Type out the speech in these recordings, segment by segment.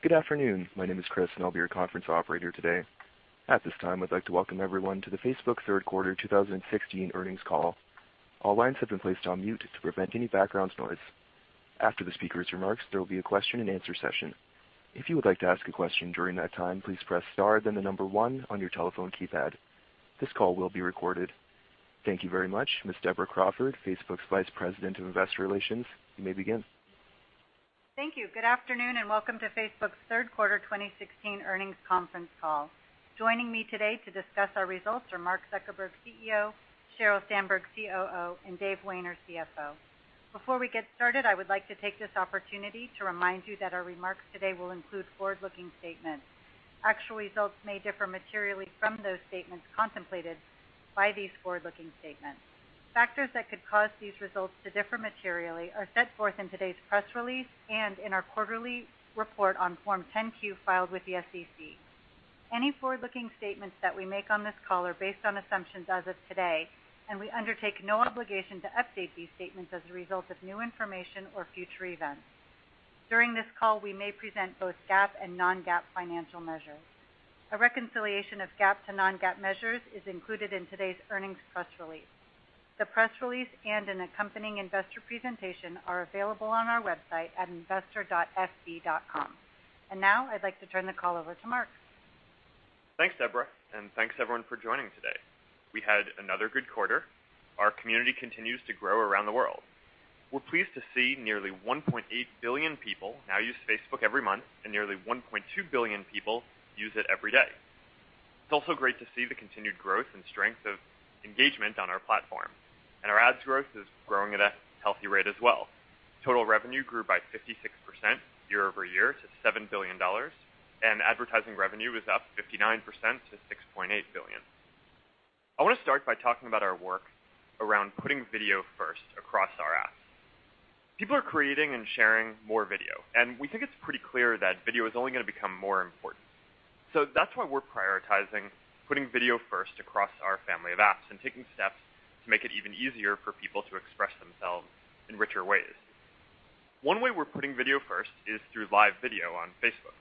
Good afternoon. My name is Chris, and I'll be your conference operator today. At this time, I'd like to welcome everyone to the Facebook 3rd quarter 2016 earnings call. All lines have been placed on mute to prevent any background noise. After the speaker's remarks, there will be a question-and-answer session. If you would like to ask a question during that time, please press star then one on your telephone keypad. This call will be recorded. Thank you very much. Ms. Deborah Crawford, Facebook's Vice President of Investor Relations, you may begin. Thank you. Good afternoon, and welcome to Facebook's third quarter 2016 earnings conference call. Joining me today to discuss our results are Mark Zuckerberg, CEO; Sheryl Sandberg, COO; and Dave Wehner, CFO. Before we get started, I would like to take this opportunity to remind you that our remarks today will include forward-looking statements. Actual results may differ materially from those statements contemplated by these forward-looking statements. Factors that could cause these results to differ materially are set forth in today's press release and in our quarterly report on Form 10-Q filed with the SEC. Any forward-looking statements that we make on this call are based on assumptions as of today, and we undertake no obligation to update these statements as a result of new information or future events. During this call, we may present both GAAP and non-GAAP financial measures. A reconciliation of GAAP to non-GAAP measures is included in today's earnings press release. The press release and an accompanying investor presentation are available on our website at investor.fb.com. Now I'd like to turn the call over to Mark. Thanks, Deborah, thanks everyone for joining today. We had another good quarter. Our community continues to grow around the world. We're pleased to see nearly 1.8 billion people now use Facebook every month and nearly 1.2 billion people use it every day. It's also great to see the continued growth and strength of engagement on our platform, and our ads growth is growing at a healthy rate as well. Total revenue grew by 56% year-over-year to $7 billion, and advertising revenue was up 59% to $6.8 billion. I wanna start by talking about our work around putting video first across our apps. People are creating and sharing more video, and we think it's pretty clear that video is only gonna become more important. That's why we're prioritizing putting video first across our family of apps and taking steps to make it even easier for people to express themselves in richer ways. One way we're putting video first is through live video on Facebook.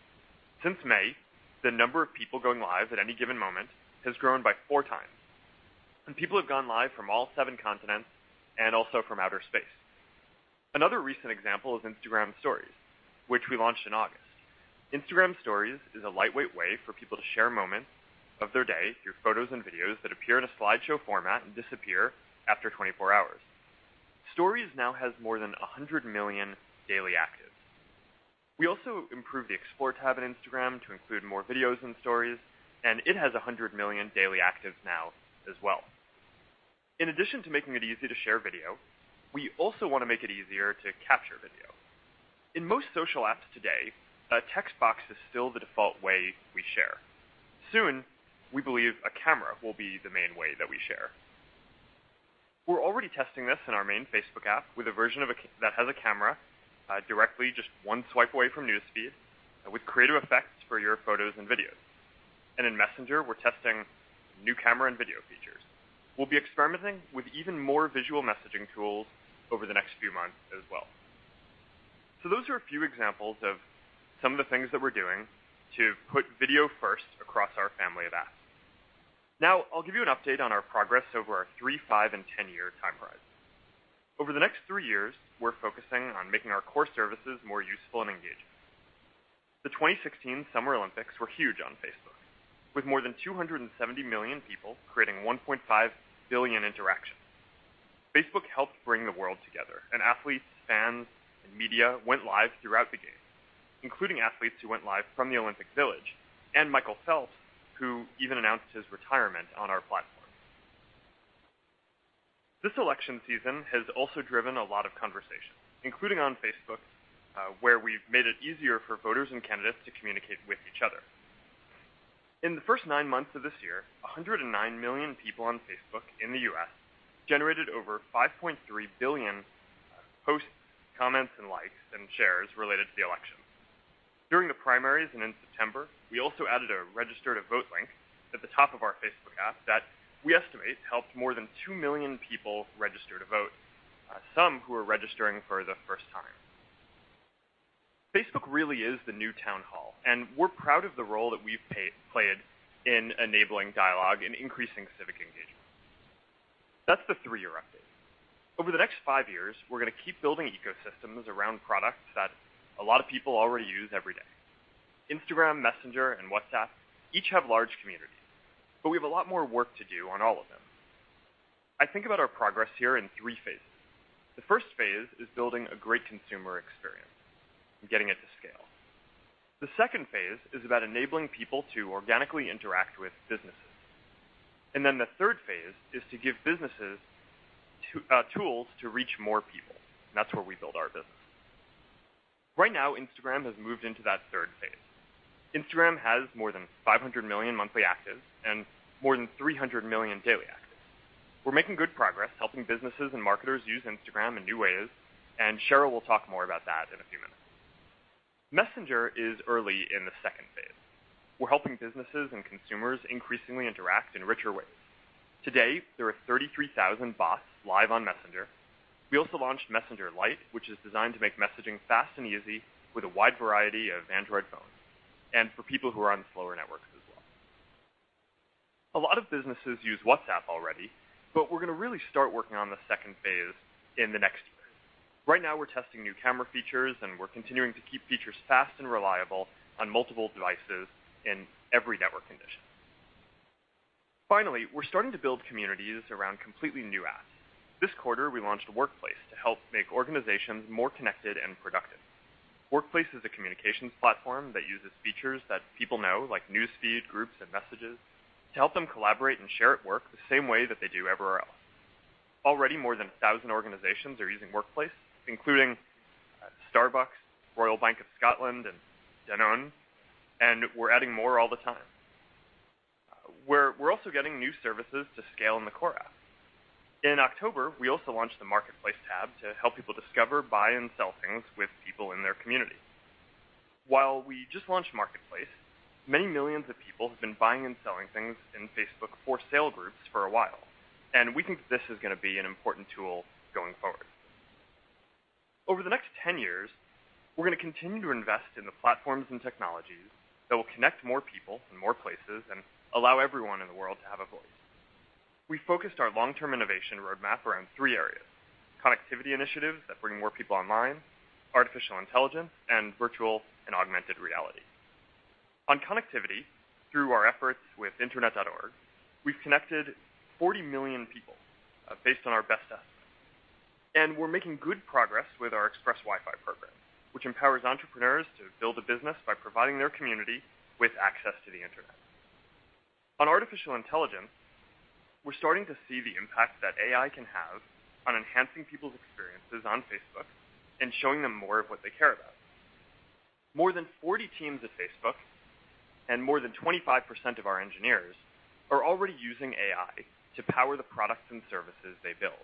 Since May, the number of people going live at any given moment has grown by 4 times, and people have gone live from all 7 continents and also from outer space. Another recent example is Instagram Stories, which we launched in August. Instagram Stories is a lightweight way for people to share moments of their day through photos and videos that appear in a slideshow format and disappear after 24 hours. Stories now has more than 100 million daily actives. We also improved the Instagram Explore to include more videos and stories, and it has 100 million daily actives now as well. In addition to making it easy to share video, we also wanna make it easier to capture video. In most social apps today, a text box is still the default way we share. Soon, we believe a camera will be the main way that we share. We're already testing this in our main Facebook app with a version that has a camera directly just one swipe away from News Feed with creative effects for your photos and videos. And in Messenger, we're testing new camera and video features. We'll be experimenting with even more visual messaging tools over the next few months as well. Those are a few examples of some of the things that we're doing to put video first across our family of apps. I'll give you an update on our progress over our three, five, and 10-year time frames. Over the next three years, we're focusing on making our core services more useful and engaging. The 2016 Summer Olympics were huge on Facebook, with more than 270 million people creating 1.5 billion interactions. Facebook helped bring the world together, athletes, fans, and media went live throughout the games, including athletes who went live from the Olympic Village, Michael Phelps, who even announced his retirement on our platform. This election season has also driven a lot of conversation, including on Facebook, where we've made it easier for voters and candidates to communicate with each other. In the first 9 months of this year, 109 million people on Facebook in the U.S. generated over 5.3 billion posts, comments, and likes and shares related to the election. During the primaries and in September, we also added a Register to Vote link at the top of our Facebook app that we estimate helped more than 2 million people register to vote, some who are registering for the first time. Facebook really is the new town hall, and we're proud of the role that we've played in enabling dialogue and increasing civic engagement. That's the 3-year update. Over the next 5 years, we're gonna keep building ecosystems around products that a lot of people already use every day. Instagram, Messenger, and WhatsApp each have large communities, but we have a lot more work to do on all of them. I think about our progress here in 3 phases. The first phase is building a great consumer experience and getting it to scale. The second phase is about enabling people to organically interact with businesses. The third phase is to give businesses tools to reach more people, and that's where we build our business. Right now, Instagram has moved into that third phase. Instagram has more than 500 million monthly actives and more than 300 million daily actives. We're making good progress helping businesses and marketers use Instagram in new ways, and Sheryl will talk more about that in a few minutes. Messenger is early in the second phase. We're helping businesses and consumers increasingly interact in richer ways. Today, there are 33,000 bots live on Messenger. We also launched Messenger Lite, which is designed to make messaging fast and easy with a wide variety of Android phones, and for people who are on slower networks as well. A lot of businesses use WhatsApp already, but we're gonna really start working on the second phase in the next year. Right now, we're testing new camera features, and we're continuing to keep features fast and reliable on multiple devices in every network condition. Finally, we're starting to build communities around completely new apps. This quarter, we launched Workplace to help make organizations more connected and productive. Workplace is a communications platform that uses features that people know, like News Feed, Groups, and Messages, to help them collaborate and share at work the same way that they do everywhere else. Already, more than 1,000 organizations are using Workplace, including Starbucks, Royal Bank of Scotland, and Danone, and we're adding more all the time. We're also getting new services to scale in the core app. In October, we also launched the Marketplace tab to help people discover, buy, and sell things with people in their community. While we just launched Marketplace, many millions of people have been buying and selling things in Facebook buy and sell groups for a while, and we think this is gonna be an important tool going forward. Over the next 10 years, we're gonna continue to invest in the platforms and technologies that will connect more people in more places and allow everyone in the world to have a voice. We focused our long-term innovation roadmap around 3 areas: connectivity initiatives that bring more people online, artificial intelligence, and virtual and augmented reality. On connectivity, through our efforts with Internet.org, we've connected 40 million people, based on our best estimates. We're making good progress with our Express Wi-Fi program, which empowers entrepreneurs to build a business by providing their community with access to the internet. On artificial intelligence, we're starting to see the impact that AI can have on enhancing people's experiences on Facebook and showing them more of what they care about. More than 40 teams at Facebook, and more than 25% of our engineers, are already using AI to power the products and services they build.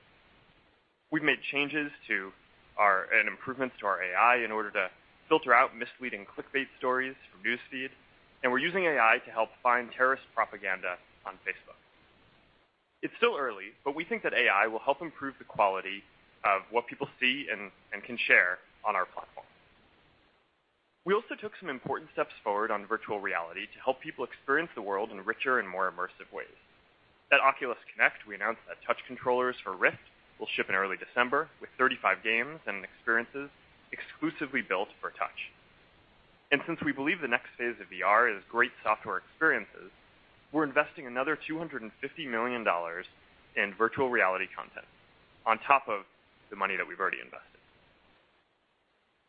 We've made changes to and improvements to our AI in order to filter out misleading clickbait stories from News Feed, and we're using AI to help find terrorist propaganda on Facebook. It's still early, but we think that AI will help improve the quality of what people see and can share on our platform. We also took some important steps forward on virtual reality to help people experience the world in richer and more immersive ways. At Oculus Connect, we announced that touch controllers for Rift will ship in early December with 35 games and experiences exclusively built for touch. Since we believe the next phase of VR is great software experiences, we're investing another $250 million in virtual reality content, on top of the money that we've already invested.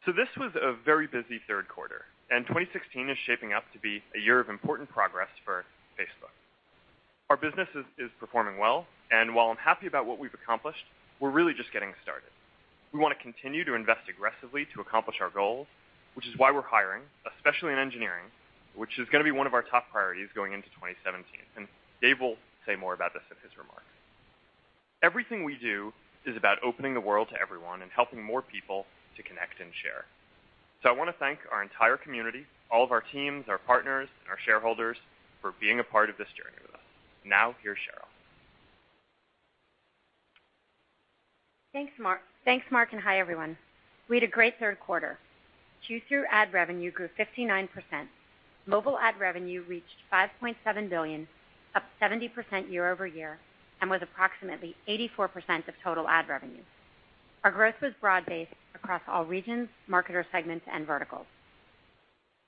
This was a very busy third quarter, and 2016 is shaping up to be a year of important progress for Facebook. Our business is performing well, and while I'm happy about what we've accomplished, we're really just getting started. We wanna continue to invest aggressively to accomplish our goals, which is why we're hiring, especially in engineering, which is gonna be one of our top priorities going into 2017. Dave will say more about this in his remarks. Everything we do is about opening the world to everyone and helping more people to connect and share. I wanna thank our entire community, all of our teams, our partners, and our shareholders for being a part of this journey with us. Now, here's Sheryl. Thanks Mark. Thanks Mark, hi everyone. We had a great third quarter. Q2 ad revenue grew 59%. Mobile ad revenue reached $5.7 billion, up 70% year-over-year, and was approximately 84% of total ad revenue. Our growth was broad-based across all regions, marketer segments, and verticals.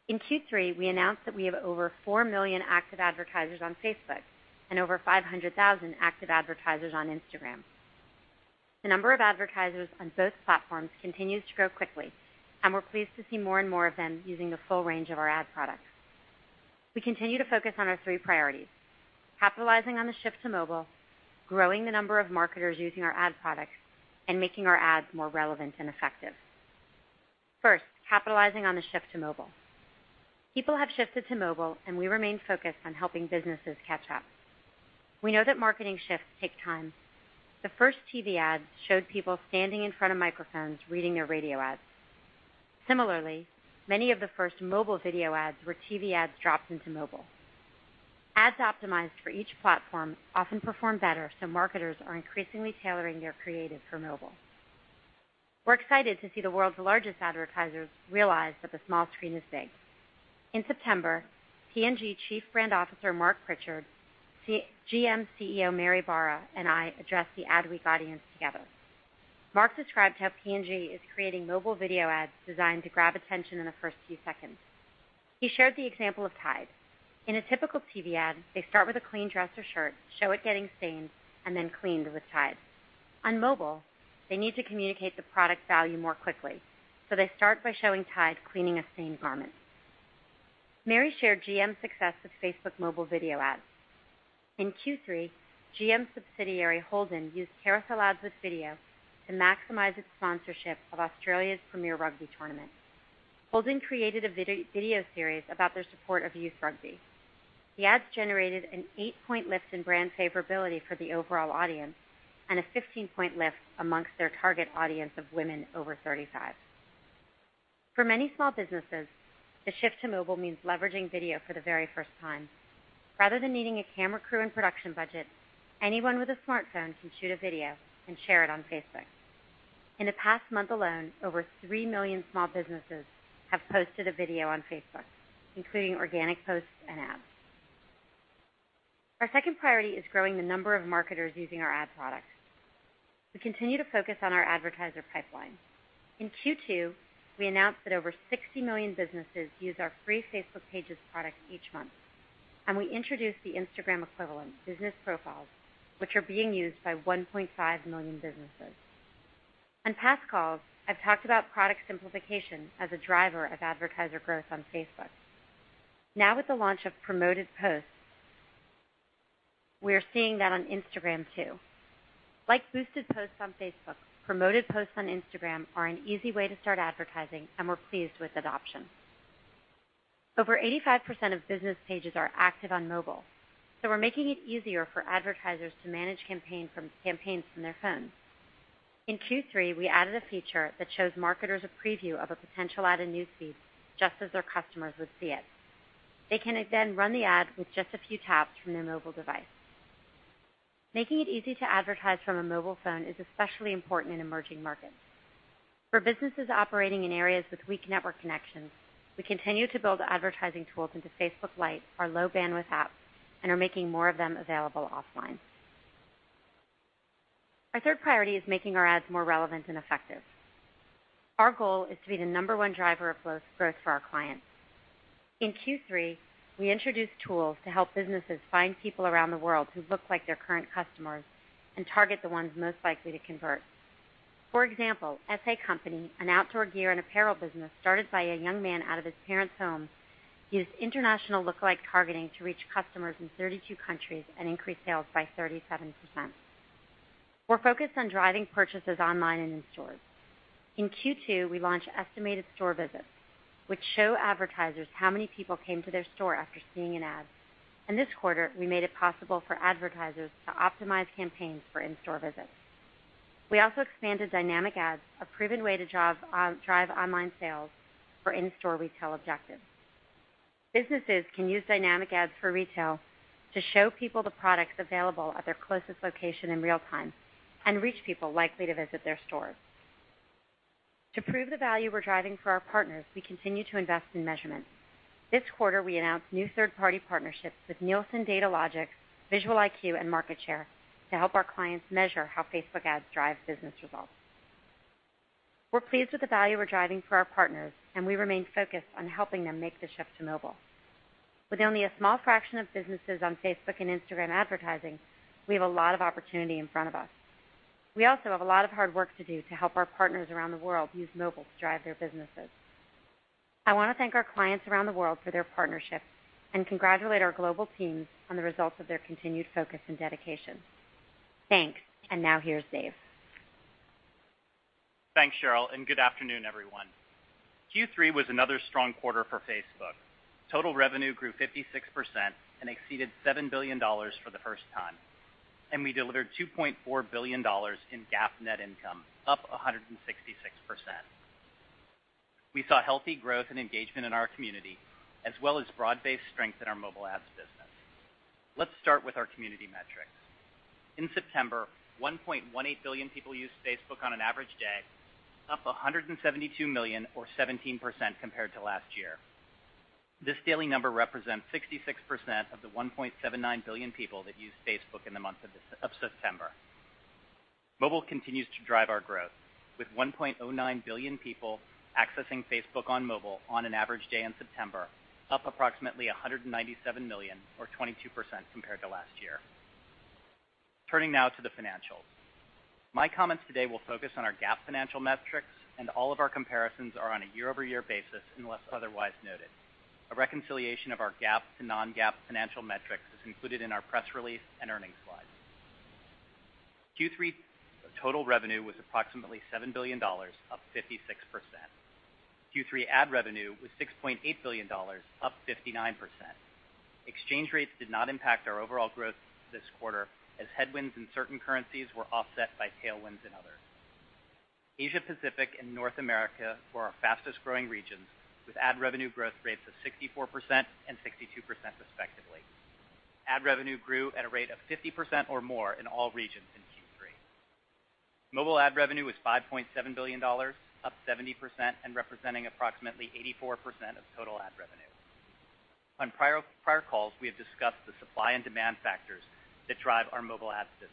In Q3, we announced that we have over 4 million active advertisers on Facebook and over 500,000 active advertisers on Instagram. The number of advertisers on both platforms continues to grow quickly, and we're pleased to see more and more of them using the full range of our ad products. We continue to focus on our three priorities: capitalizing on the shift to mobile, growing the number of marketers using our ad products, and making our ads more relevant and effective. First, capitalizing on the shift to mobile. People have shifted to mobile. We remain focused on helping businesses catch up. We know that marketing shifts take time. The first TV ads showed people standing in front of microphones reading their radio ads. Similarly, many of the first mobile video ads were TV ads dropped into mobile. Ads optimized for each platform often perform better, so marketers are increasingly tailoring their creative for mobile. We're excited to see the world's largest advertisers realize that the small screen is big. In September, P&G Chief Brand Officer Marc Pritchard, GM CEO Mary Barra, and I addressed the Adweek audience together. Marc described how P&G is creating mobile video ads designed to grab attention in the first few seconds. He shared the example of Tide. In a typical TV ad, they start with a clean dress or shirt, show it getting stained, and then cleaned with Tide. On mobile, they need to communicate the product value more quickly, they start by showing Tide cleaning a stained garment. Mary shared GM's success with Facebook mobile video ads. In Q3, GM subsidiary Holden used carousel ads with video to maximize its sponsorship of Australia's premier rugby tournament. Holden created a video series about their support of youth rugby. The ads generated an 8-point lift in brand favorability for the overall audience, and a 15-point lift amongst their target audience of women over 35. For many small businesses, the shift to mobile means leveraging video for the very first time. Rather than needing a camera crew and production budget, anyone with a smartphone can shoot a video and share it on Facebook. In the past month alone, over 3 million small businesses have posted a video on Facebook, including organic posts and ads. Our second priority is growing the number of marketers using our ad products. We continue to focus on our advertiser pipeline. In Q2, we announced that over 60 million businesses use our free Facebook Pages product each month, and we introduced the Instagram equivalent, Business Profiles, which are being used by 1.5 million businesses. On past calls, I've talked about product simplification as a driver of advertiser growth on Facebook. With the launch of Promoted Posts, we are seeing that on Instagram too. Like boosted posts on Facebook, Promoted Posts on Instagram are an easy way to start advertising, and we're pleased with adoption. Over 85% of business pages are active on mobile, we're making it easier for advertisers to manage campaigns from their phones. In Q3, we added a feature that shows marketers a preview of a potential ad in News Feed, just as their customers would see it. They can then run the ad with just a few taps from their mobile device. Making it easy to advertise from a mobile phone is especially important in emerging markets. For businesses operating in areas with weak network connections, we continue to build advertising tools into Facebook Lite, our low-bandwidth app, and are making more of them available offline. Our third priority is making our ads more relevant and effective. Our goal is to be the number-one driver of close growth for our clients. In Q3, we introduced tools to help businesses find people around the world who look like their current customers and target the ones most likely to convert. For example, ESEE, an outdoor gear and apparel business started by a young man out of his parents' home, used international look-alike targeting to reach customers in 32 countries and increase sales by 37%. We're focused on driving purchases online and in stores. In Q2, we launched estimated store visits, which show advertisers how many people came to their store after seeing an ad. In this quarter, we made it possible for advertisers to optimize campaigns for in-store visits. We also expanded dynamic ads, a proven way to drive online sales for in-store retail objectives. Businesses can use dynamic ads for retail to show people the products available at their closest location in real time and reach people likely to visit their stores. To prove the value we're driving for our partners, we continue to invest in measurement. This quarter, we announced new third-party partnerships with Nielsen, Datalogix, Visual IQ, and MarketShare to help our clients measure how Facebook ads drive business results. We're pleased with the value we're driving for our partners, and we remain focused on helping them make the shift to mobile. With only a small fraction of businesses on Facebook and Instagram advertising, we have a lot of opportunity in front of us. We also have a lot of hard work to do to help our partners around the world use mobile to drive their businesses. I wanna thank our clients around the world for their partnership, and congratulate our global teams on the results of their continued focus and dedication. Thanks. Now, here's Dave. Thanks, Sheryl. Good afternoon, everyone. Q3 was another strong quarter for Facebook. Total revenue grew 56% and exceeded $7 billion for the first time, and we delivered $2.4 billion in GAAP net income, up 166%. We saw healthy growth and engagement in our community, as well as broad-based strength in our mobile ads business. Let's start with our community metrics. In September, 1.18 billion people used Facebook on an average day, up 172 million or 17% compared to last year. This daily number represents 66% of the 1.79 billion people that used Facebook in the month of September. Mobile continues to drive our growth, with 1.09 billion people accessing Facebook on mobile on an average day in September, up approximately 197 million or 22% compared to last year. Turning now to the financials. My comments today will focus on our GAAP financial metrics, all of our comparisons are on a year-over-year basis, unless otherwise noted. A reconciliation of our GAAP to non-GAAP financial metrics is included in our press release and earnings slides. Q3 total revenue was approximately $7 billion, up 56%. Q3 ad revenue was $6.8 billion, up 59%. Exchange rates did not impact our overall growth this quarter, as headwinds in certain currencies were offset by tailwinds in others. Asia-Pacific and North America were our fastest-growing regions, with ad revenue growth rates of 64% and 62% respectively. Ad revenue grew at a rate of 50% or more in all regions in Q3. Mobile ad revenue was $5.7 billion, up 70% and representing approximately 84% of total ad revenue. On prior calls, we have discussed the supply and demand factors that drive our mobile ad business.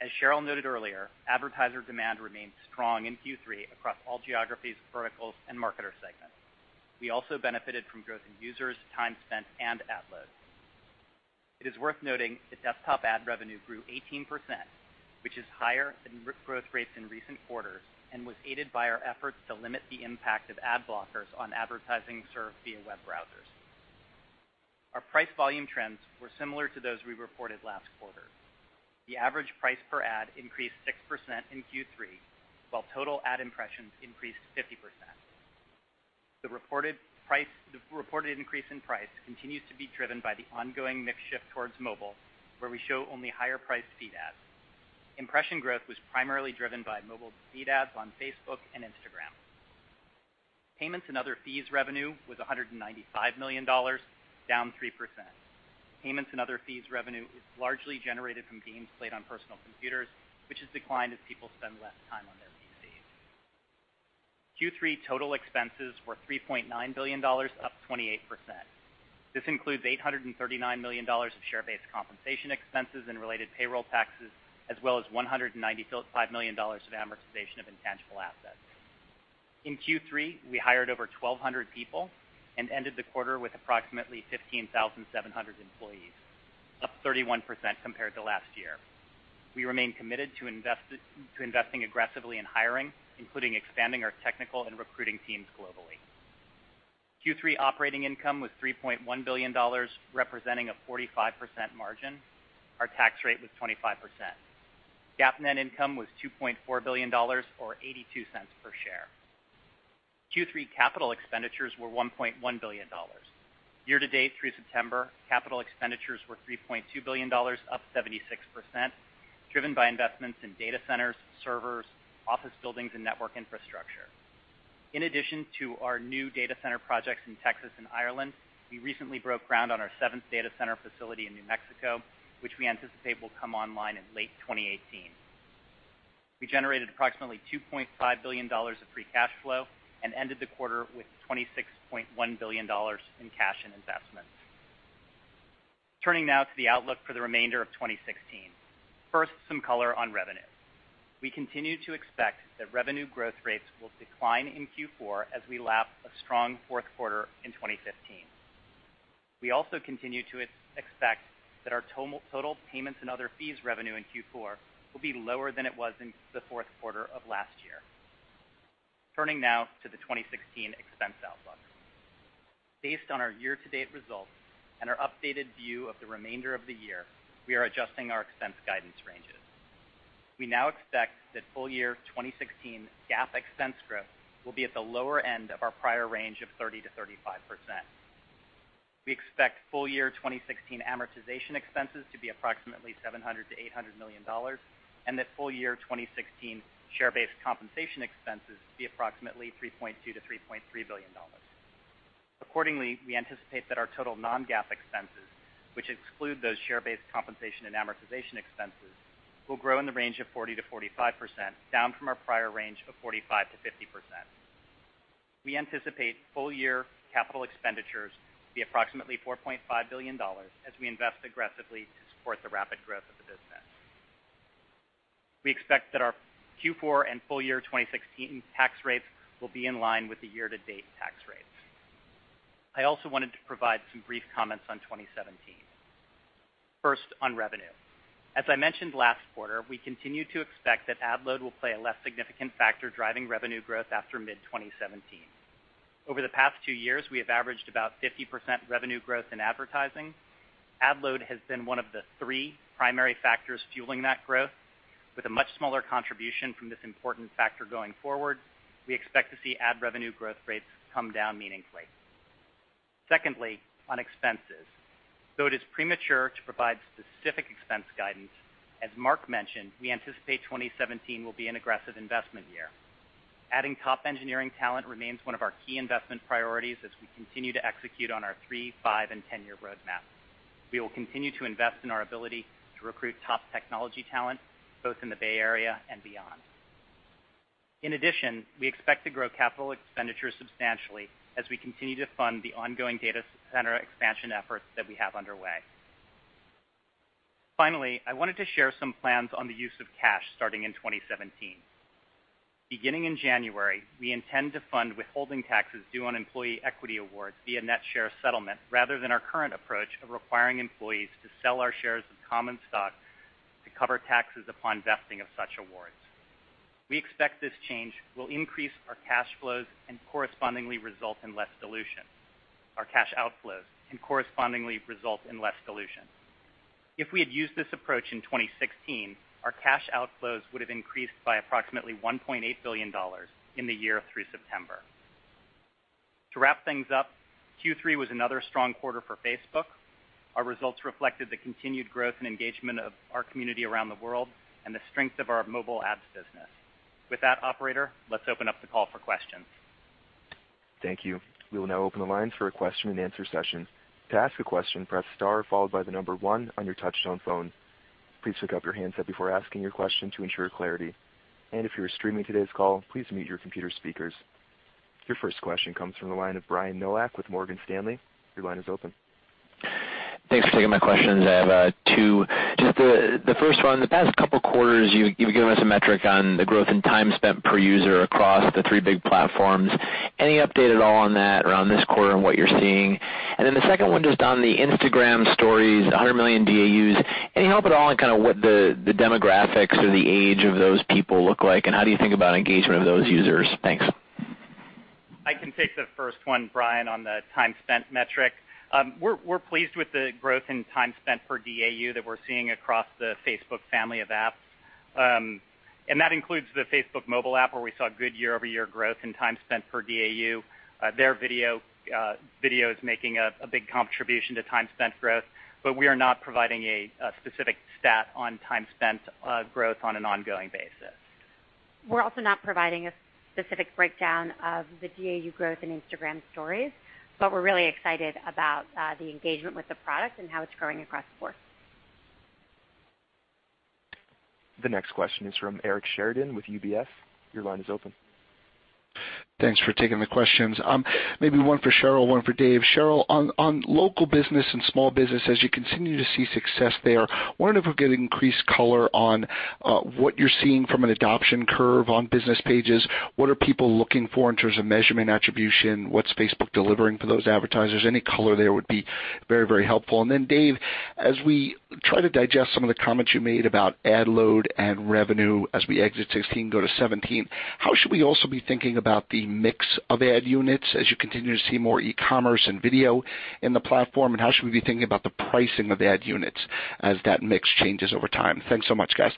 As Sheryl Sandberg noted earlier, advertiser demand remained strong in Q3 across all geographies, verticals, and marketer segments. We also benefited from growth in users, time spent, and ad loads. It is worth noting that desktop ad revenue grew 18%, which is higher than growth rates in recent quarters, and was aided by our efforts to limit the impact of ad blockers on advertising served via web browsers. Our price-volume trends were similar to those we reported last quarter. The average price per ad increased 6% in Q3, while total ad impressions increased 50%. The reported increase in price continues to be driven by the ongoing mix shift towards mobile, where we show only higher-priced feed ads. Impression growth was primarily driven by mobile feed ads on Facebook and Instagram. Payments and other fees revenue was $195 million, down 3%. Payments and other fees revenue is largely generated from games played on personal computers, which has declined as people spend less time on their PCs. Q3 total expenses were $3.9 billion, up 28%. This includes $839 million of share-based compensation expenses and related payroll taxes, as well as $195 million of amortization of intangible assets. In Q3, we hired over 1,200 people and ended the quarter with approximately 15,700 employees, up 31% compared to last year. We remain committed to investing aggressively in hiring, including expanding our technical and recruiting teams globally. Q3 operating income was $3.1 billion, representing a 45% margin. Our tax rate was 25%. GAAP net income was $2.4 billion or $0.82 per share. Q3 CapEx were $1.1 billion. Year-to-date through September, CapEx were $3.2 billion, up 76%, driven by investments in data centers, servers, office buildings and network infrastructure. In addition to our new data center projects in Texas and Ireland, we recently broke ground on our 7th data center facility in New Mexico, which we anticipate will come online in late 2018. We generated approximately $2.5 billion of free cash flow and ended the quarter with $26.1 billion in cash and investments. Turning now to the outlook for the remainder of 2016. First, some color on revenue. We continue to expect that revenue growth rates will decline in Q4 as we lap a strong fourth quarter in 2015. We also continue to expect that our total payments and other fees revenue in Q4 will be lower than it was in the fourth quarter of last year. Turning now to the 2016 expense outlook. Based on our year-to-date results and our updated view of the remainder of the year, we are adjusting our expense guidance ranges. We now expect that full year 2016 GAAP expense growth will be at the lower end of our prior range of 30%-35%. We expect full year 2016 amortization expenses to be approximately $700 million-$800 million, that full year 2016 share-based compensation expenses to be approximately $3.2 billion-$3.3 billion. Accordingly, we anticipate that our total non-GAAP expenses, which exclude those share-based compensation and amortization expenses, will grow in the range of 40%-45%, down from our prior range of 45%-50%. We anticipate full year capital expenditures to be approximately $4.5 billion as we invest aggressively to support the rapid growth of the business. We expect that our Q4 and full year 2016 tax rates will be in line with the year-to-date tax rates. I also wanted to provide some brief comments on 2017. First, on revenue. As I mentioned last quarter, we continue to expect that ad load will play a less significant factor driving revenue growth after mid-2017. Over the past 2 years, we have averaged about 50% revenue growth in advertising. Ad load has been one of the 3 primary factors fueling that growth. With a much smaller contribution from this important factor going forward, we expect to see ad revenue growth rates come down meaningfully. Secondly, on expenses. Though it is premature to provide specific expense guidance, as Mark mentioned, we anticipate 2017 will be an aggressive investment year. Adding top engineering talent remains one of our key investment priorities as we continue to execute on our 3, 5, and 10-year roadmap. We will continue to invest in our ability to recruit top technology talent, both in the Bay Area and beyond. We expect to grow CapEx substantially as we continue to fund the ongoing data center expansion efforts that we have underway. I wanted to share some plans on the use of cash starting in 2017. Beginning in January, we intend to fund withholding taxes due on employee equity awards via net share settlement, rather than our current approach of requiring employees to sell our shares of common stock to cover taxes upon vesting of such awards. We expect this change will increase our cash flows and correspondingly result in less dilution. Our cash outflows and correspondingly result in less dilution. If we had used this approach in 2016, our cash outflows would have increased by approximately $1.8 billion in the year through September. To wrap things up, Q3 was another strong quarter for Facebook. Our results reflected the continued growth and engagement of our community around the world and the strength of our mobile ads business. With that, operator, let's open up the call for questions. Thank you. We will now open the lines for a question and answer session. To ask a question, press star followed by one on your touch-tone phone. Please pick up your handset before asking your question to ensure clarity. If you're streaming today's call, please mute your computer speakers. Your first question comes from the line of Brian Nowak with Morgan Stanley. Your line is open. Thanks for taking my questions. I have 2. The first one, the past couple quarters, you've given us a metric on the growth in time spent per user across the three big platforms. Any update at all on that or on this quarter and what you're seeing? The second one just on the Instagram Stories, 100 million DAUs. Any help at all on kind of what the demographics or the age of those people look like, and how do you think about engagement of those users? Thanks. I can take the first one, Brian, on the time spent metric. We're pleased with the growth in time spent per DAU that we're seeing across the Facebook family of apps. That includes the Facebook mobile app, where we saw good year-over-year growth in time spent per DAU. Video is making a big contribution to time spent growth, we are not providing a specific stat on time spent growth on an ongoing basis. We're also not providing a specific breakdown of the DAU growth in Instagram Stories, but we're really excited about the engagement with the product and how it's growing across the board. The next question is from Eric Sheridan with UBS. Your line is open. Thanks for taking the questions. Maybe one for Sheryl, one for Dave. Sheryl, on local business and small business, as you continue to see success there, wondering if we could get increased color on what you're seeing from an adoption curve on business pages. What are people looking for in terms of measurement attribution? What's Facebook delivering for those advertisers? Any color there would be very, very helpful. Dave, as we try to digest some of the comments you made about ad load and revenue as we exit 2016, go to 2017, how should we also be thinking about the mix of ad units as you continue to see more e-commerce and video in the platform? How should we be thinking about the pricing of ad units as that mix changes over time? Thanks so much, guys.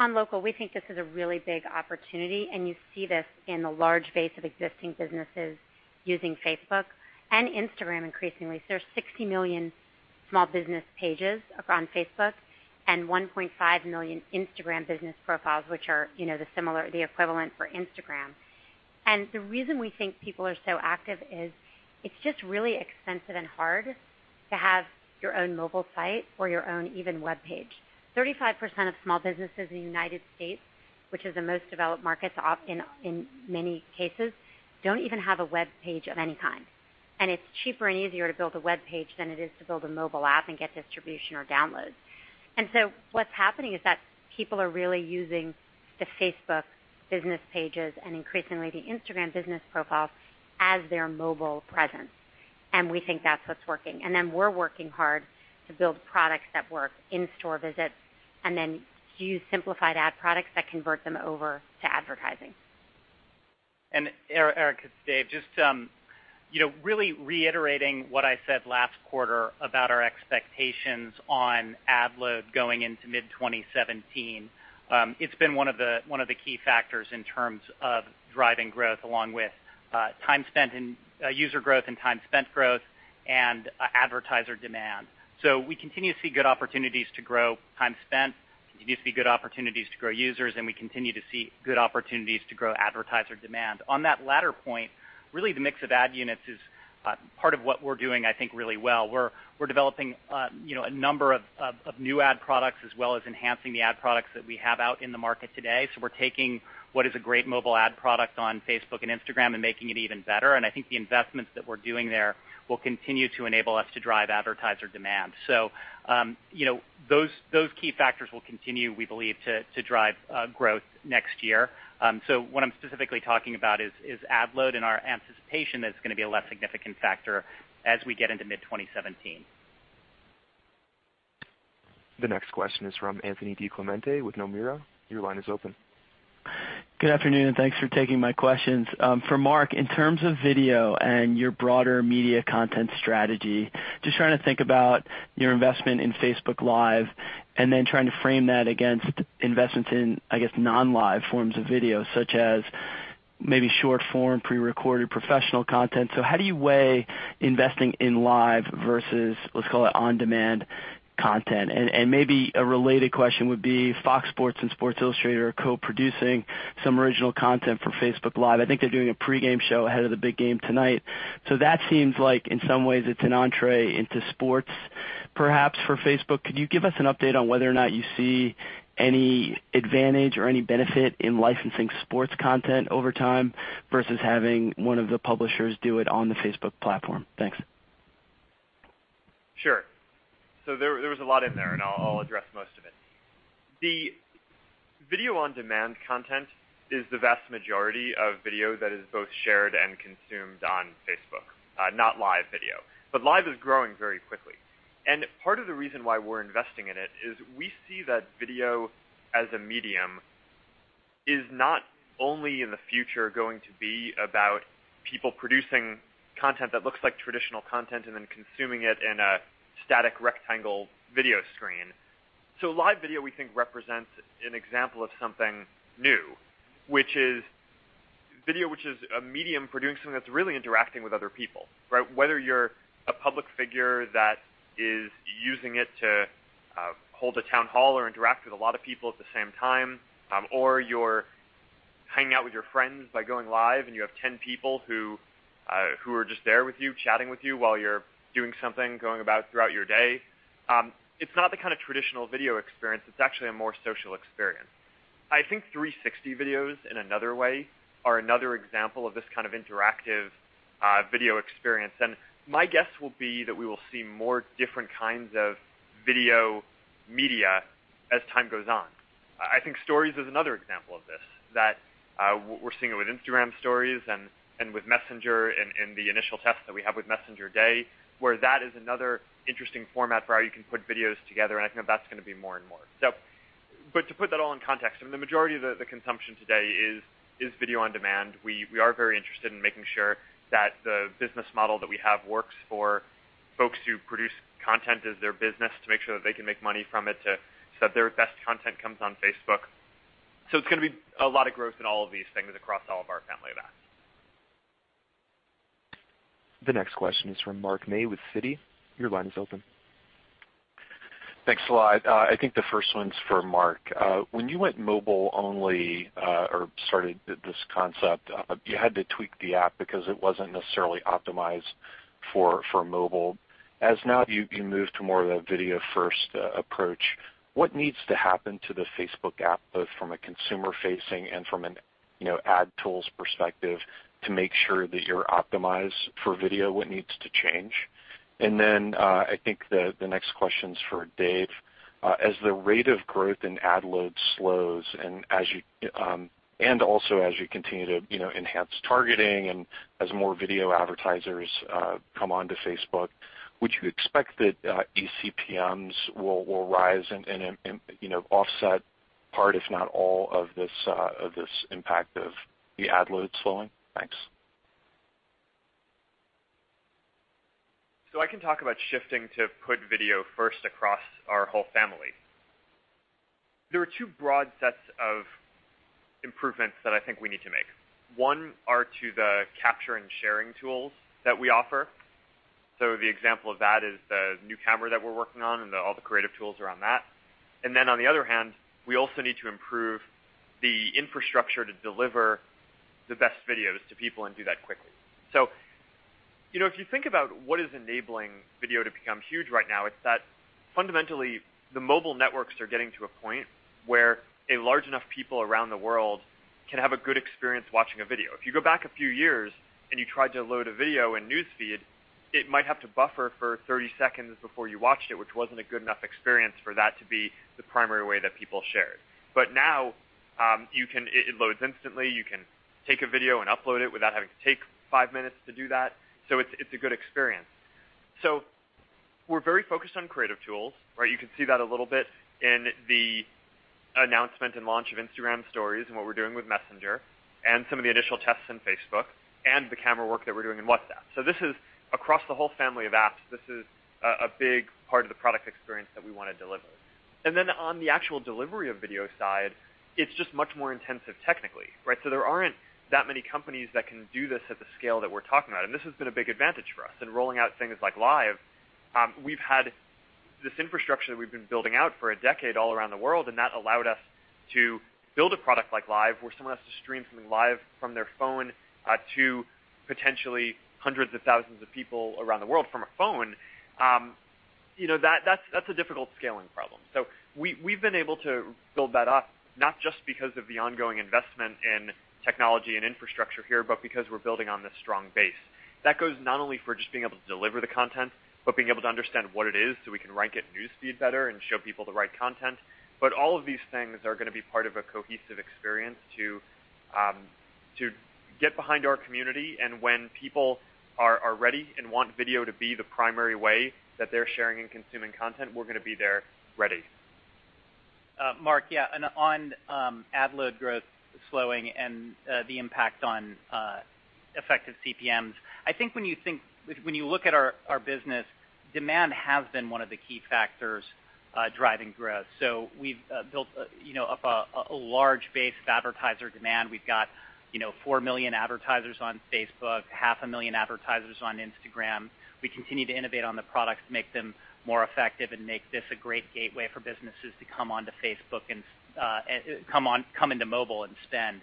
On local, we think this is a really big opportunity, you see this in the large base of existing businesses using Facebook and Instagram increasingly. There's 60 million small business pages on Facebook and 1.5 million Instagram Business Profiles, which are, you know, the similar, the equivalent for Instagram. The reason we think people are so active is it's just really expensive and hard to have your own mobile site or your own even webpage. 35% of small businesses in the U.S., which is the most developed markets in many cases, don't even have a webpage of any kind. It's cheaper and easier to build a webpage than it is to build a mobile app and get distribution or downloads. What's happening is that people are really using the Facebook Business pages and increasingly the Instagram Business Profiles as their mobile presence. We think that's what's working. Then we're working hard to build products that work in store visits and then use simplified ad products that convert them over to advertising. Eric, it's Dave. Just, you know, really reiterating what I said last quarter about our expectations on ad load going into mid 2017. It's been one of the key factors in terms of driving growth along with time spent and user growth and time spent growth and advertiser demand. We continue to see good opportunities to grow time spent. We continue to see good opportunities to grow users, and we continue to see good opportunities to grow advertiser demand. On that latter point, really the mix of ad units is part of what we're doing, I think, really well. We're developing, you know, a number of new ad products as well as enhancing the ad products that we have out in the market today. We're taking what is a great mobile ad product on Facebook and Instagram and making it even better. I think the investments that we're doing there will continue to enable us to drive advertiser demand. You know, those key factors will continue, we believe, to drive growth next year. What I'm specifically talking about is ad load and our anticipation that it's gonna be a less significant factor as we get into mid-2017. The next question is from Anthony DiClemente with Nomura. Good afternoon, and thanks for taking my questions. For Mark, in terms of video and your broader media content strategy, just trying to think about your investment in Facebook Live and then trying to frame that against investments in, I guess, non-live forms of video, such as maybe short-form, pre-recorded professional content. How do you weigh investing in live versus, let's call it, on-demand content? Maybe a related question would be, FOX Sports and Sports Illustrated are co-producing some original content for Facebook Live. I think they're doing a pregame show ahead of the big game tonight. That seems like, in some ways, it's an entrée into sports perhaps for Facebook. Could you give us an update on whether or not you see any advantage or any benefit in licensing sports content over time versus having one of the publishers do it on the Facebook platform? Thanks. Sure. There was a lot in there, I'll address most of it. The video-on-demand content is the vast majority of video that is both shared and consumed on Facebook, not live video. Live is growing very quickly. Part of the reason why we're investing in it is we see that video as a medium is not only in the future going to be about people producing content that looks like traditional content and then consuming it in a static rectangle video screen. Live video, we think, represents an example of something new, which is video which is a medium for doing something that's really interacting with other people, right? Whether you're a public figure that is using it to hold a town hall or interact with a lot of people at the same time, or you're hanging out with your friends by going live and you have 10 people who are just there with you, chatting with you while you're doing something, going about throughout your day. It's not the kind of traditional video experience. It's actually a more social experience. I think 360 videos in another way are another example of this kind of interactive, video experience. My guess will be that we will see more different kinds of video media as time goes on. I think Stories is another example of this, that we're seeing it with Instagram Stories and with Messenger in the initial tests that we have with Messenger Day, where that is another interesting format where you can put videos together, and I think that's going to be more and more. To put that all in context, I mean, the majority of the consumption today is video-on-demand. We are very interested in making sure that the business model that we have works for folks who produce content as their business to make sure that they can make money from it so that their best content comes on Facebook. It's going to be a lot of growth in all of these things across all of our family of apps. The next question is from Mark May with Citi. Your line is open. Thanks a lot. I think the first one's for Mark. When you went mobile-only, or started this concept, you had to tweak the app because it wasn't necessarily optimized for mobile. As now you move to more of a video-first approach, what needs to happen to the Facebook app, both from a consumer-facing and from an, you know, ad tools perspective to make sure that you're optimized for video? What needs to change? Then I think the next question's for Dave. As the rate of growth in ad load slows, and as you continue to, you know, enhance targeting and as more video advertisers come onto Facebook, would you expect that eCPMs will rise and, you know, offset part if not all of this impact of the ad load slowing? Thanks. I can talk about shifting to put video first across our whole family. There are two broad sets of improvements that I think we need to make. One are to the capture and sharing tools that we offer. The example of that is the new camera that we're working on and the, all the creative tools around that. Then on the other hand, we also need to improve the infrastructure to deliver the best videos to people and do that quickly. You know, if you think about what is enabling video to become huge right now, it's that fundamentally the mobile networks are getting to a point where a large enough people around the world can have a good experience watching a video. If you go back a few years and you tried to load a video in News Feed, it might have to buffer for 30 seconds before you watched it, which wasn't a good enough experience for that to be the primary way that people shared. Now, it loads instantly. You can take a video and upload it without having to take 5 minutes to do that. It's a good experience. We're very focused on creative tools, right? You can see that a little bit in the announcement and launch of Instagram Stories and what we're doing with Messenger and some of the initial tests in Facebook and the camera work that we're doing in WhatsApp. This is across the whole family of apps. This is a big part of the product experience that we wanna deliver. On the actual delivery of video side, it's just much more intensive technically, right? There aren't that many companies that can do this at the scale that we're talking about, and this has been a big advantage for us. In rolling out things like Live, we've had this infrastructure that we've been building out for a decade all around the world, and that allowed us to build a product like Live, where someone has to stream something live from their phone to potentially hundreds of thousands of people around the world from a phone. You know, that's a difficult scaling problem. We've been able to build that up, not just because of the ongoing investment in technology and infrastructure here, but because we're building on this strong base. That goes not only for just being able to deliver the content, but being able to understand what it is so we can rank it in News Feed better and show people the right content. All of these things are gonna be part of a cohesive experience to get behind our community. When people are ready and want video to be the primary way that they're sharing and consuming content, we're gonna be there ready. Mark, yeah, on ad load growth slowing and the impact on effective CPMs. I think when you look at our business, demand has been one of the key factors driving growth. We've built, you know, a large base of advertiser demand. We've got, you know, 4 million advertisers on Facebook, 500,000 advertisers on Instagram. We continue to innovate on the products to make them more effective and make this a great gateway for businesses to come onto Facebook and come into mobile and spend.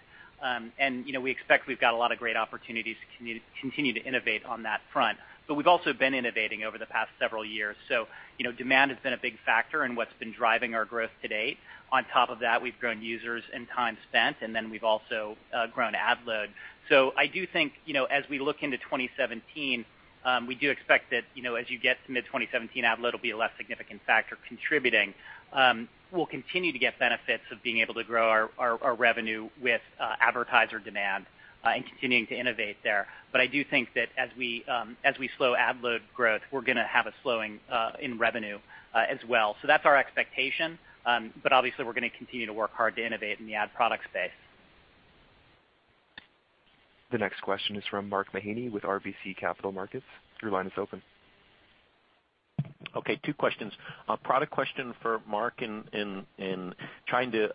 You know, we expect we've got a lot of great opportunities to continue to innovate on that front. We've also been innovating over the past several years. You know, demand has been a big factor in what's been driving our growth to date. On top of that, we've grown users and time spent, and then we've also grown ad load. I do think, you know, as we look into 2017, we do expect that, you know, as you get to mid-2017, ad load will be a less significant factor contributing. We'll continue to get benefits of being able to grow our revenue with advertiser demand and continuing to innovate there. I do think that as we slow ad load growth, we're gonna have a slowing in revenue as well. That's our expectation. Obviously, we're gonna continue to work hard to innovate in the ad product space. The next question is from Mark Mahaney with RBC Capital Markets. Your line is open. Okay, two questions. A product question for Mark in trying to,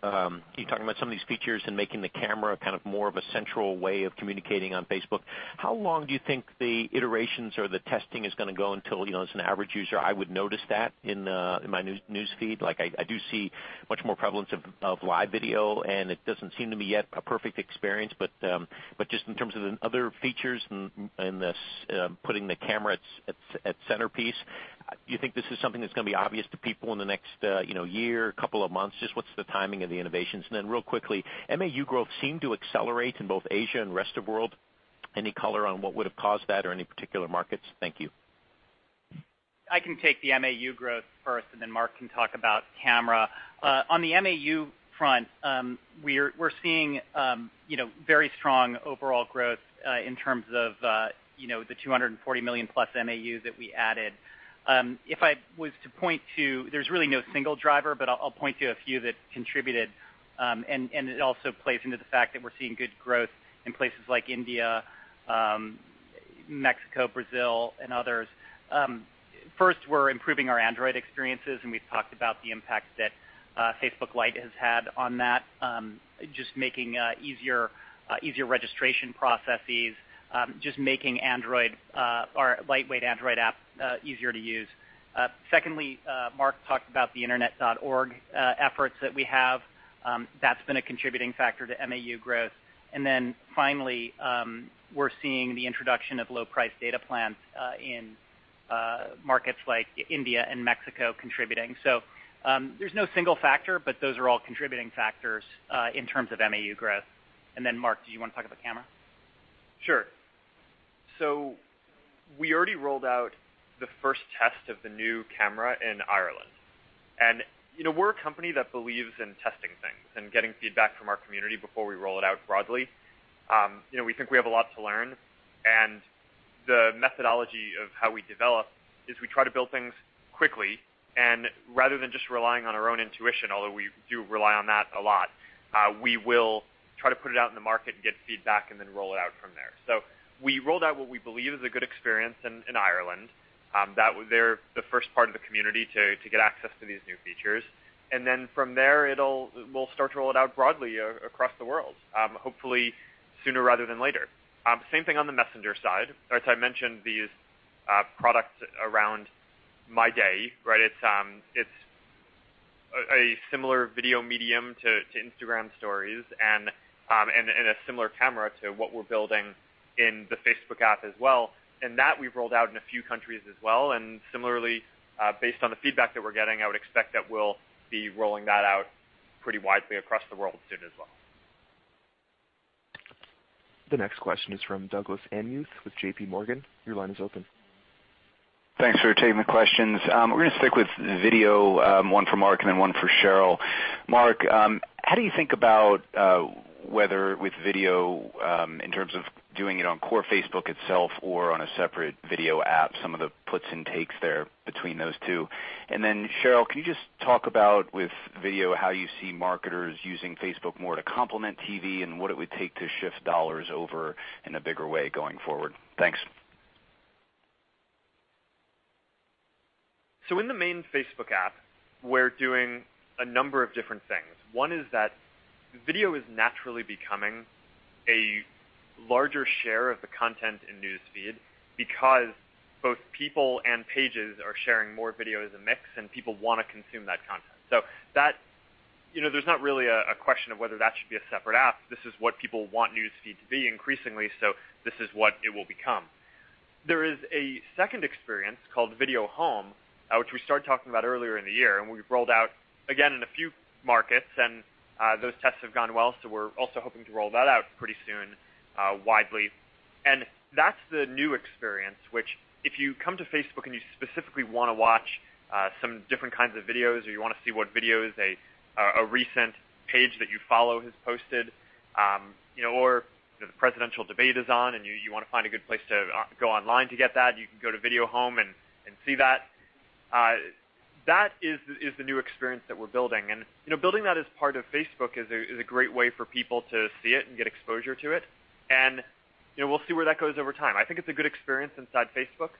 you talking about some of these features and making the camera kind of more of a central way of communicating on Facebook. How long do you think the iterations or the testing is gonna go until, you know, as an average user, I would notice that in my News Feed? Like, I do see much more prevalence of live video, and it doesn't seem to me yet a perfect experience. Just in terms of the other features and this putting the camera at centerpiece, do you think this is something that's gonna be obvious to people in the next, you know, year, couple of months? Just what's the timing of the innovations? Real quickly, MAU growth seemed to accelerate in both Asia and rest of world. Any color on what would have caused that or any particular markets? Thank you. I can take the MAU growth first and then Mark can talk about camera. On the MAU front, we're seeing, you know, very strong overall growth in terms of, you know, the 240 million plus MAU that we added. If I was to point to, there's really no single driver, but I'll point to a few that contributed, and it also plays into the fact that we're seeing good growth in places like India, Mexico, Brazil, and others. First, we're improving our Android experiences, and we've talked about the impact that Facebook Lite has had on that, just making easier registration processes, just making Android, or lightweight Android app, easier to use. Secondly, Mark talked about the Internet.org efforts that we have. That's been a contributing factor to MAU growth. Finally, we're seeing the introduction of low-priced data plans in markets like India and Mexico contributing. There's no single factor, but those are all contributing factors in terms of MAU growth. Mark, do you wanna talk about camera? Sure. We already rolled out the first test of the new camera in Ireland. You know, we're a company that believes in testing things and getting feedback from our community before we roll it out broadly. You know, we think we have a lot to learn. The methodology of how we develop is we try to build things quickly and rather than just relying on our own intuition, although we do rely on that a lot, we will try to put it out in the market and get feedback, and then roll it out from there. We rolled out what we believe is a good experience in Ireland. That they're the first part of the community to get access to these new features. Then from there, we'll start to roll it out broadly across the world, hopefully sooner rather than later. Same thing on the Messenger side. As I mentioned, these products around My Day, right? It's a similar video medium to Instagram Stories and a similar camera to what we're building in the Facebook app as well. That we've rolled out in a few countries as well. Similarly, based on the feedback that we're getting, I would expect that we'll be rolling that out pretty widely across the world soon as well. The next question is from Douglas Anmuth with JPMorgan. Your line is open. Thanks for taking the questions. We're gonna stick with video, one for Mark and then one for Sheryl. Mark, how do you think about whether with video, in terms of doing it on core Facebook itself or on a separate video app, some of the puts and takes there between those two? Sheryl, can you just talk about with video, how you see marketers using Facebook more to complement TV and what it would take to shift dollars over in a bigger way going forward? Thanks. In the main Facebook app, we're doing a number of different things. One is that video is naturally becoming a larger share of the content in News Feed because both people and pages are sharing more video as a mix, and people wanna consume that content. That, you know, there's not really a question of whether that should be a separate app. This is what people want News Feed to be increasingly, so this is what it will become. There is a second experience called Video Home, which we started talking about earlier in the year, and we've rolled out again in a few markets, and those tests have gone well, so we're also hoping to roll that out pretty soon, widely. That's the new experience, which if you come to Facebook and you specifically wanna watch some different kinds of videos or you wanna see what videos a recent page that you follow has posted, you know, or, the presidential debate is on and you wanna find a good place to go online to get that, you can go to Video Home and see that. That is the new experience that we're building. You know, building that as part of Facebook is a great way for people to see it and get exposure to it. You know, we'll see where that goes over time. I think it's a good experience inside Facebook,